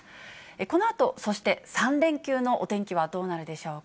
このあと、そして３連休のお天気はどうなるでしょうか。